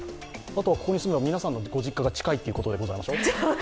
ここに住んでいる皆さんのご実家が近いということでございましょ？